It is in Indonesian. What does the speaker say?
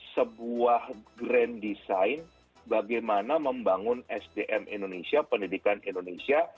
sebuah grand design bagaimana membangun sdm indonesia pendidikan indonesia